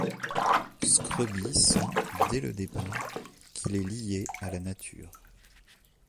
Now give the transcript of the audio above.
Scrubby sent dès le départ qu'il est lié à la nature.